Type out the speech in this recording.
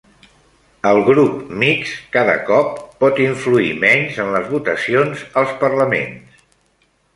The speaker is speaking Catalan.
El grup mixt cada cop pot influir menys en les votacions als parlaments